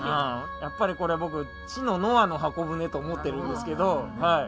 やっぱりこれ僕知のノアの箱舟と思ってるんですけどはい。